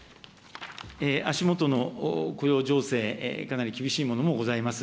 足元の雇用情勢、かなり厳しいものもございます。